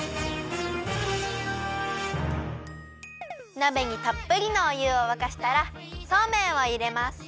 なべにたっぷりのおゆをわかしたらそうめんをいれます。